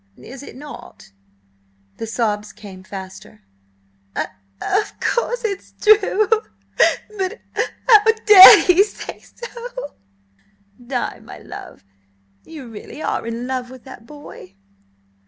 "Is it not?" The sobs came faster. "Of–of course 'tis true, but h how dared he say so?" "Di, my love, you really are in love with that boy?"